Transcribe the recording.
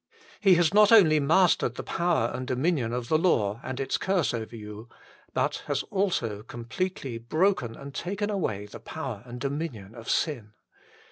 He has not only mastered the power and dominion of the law and its curse over you, but has also completely broken and taken away the power and dominion of sin.